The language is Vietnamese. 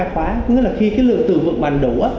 tức là khi cái lượng từ vựng bằng đủ